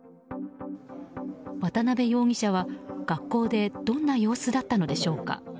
渡辺容疑者は学校でどんな様子だったのでしょうか。